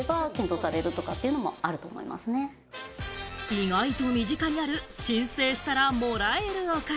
意外と身近にある、申請したらもらえるお金。